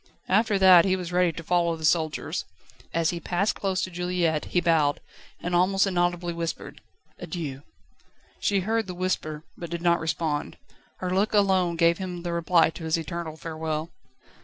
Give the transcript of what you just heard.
After that he was ready to follow the soldiers. As he passed close to Juliette he bowed, and almost inaudibly whispered: "Adieu!" She heard the whisper, but did not respond. Her look alone gave him the reply to his eternal farewell.